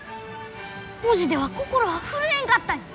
文字では心は震えんかったに！